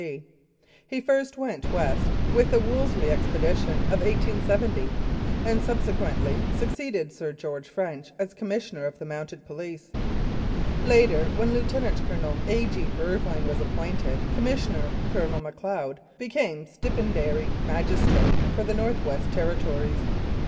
G. He first went West with the Wolseley Expedition of 1870, and subsequently succeeded Sir George French as Commissioner of the Mounted Police. Later, when Lieutenant Colonel A. G. Irvine was appointed Com missioner, Colonel Macleod became stipendiary magi strate for the North West Territories.